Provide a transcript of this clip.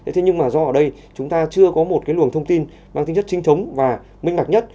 thế nhưng mà do ở đây chúng ta chưa có một cái luồng thông tin mang tính chất trinh thống và minh bạch nhất